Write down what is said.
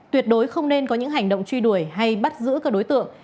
tuyệt đối không nên có những hành động truy đuổi hay bắt giữ các đối tượng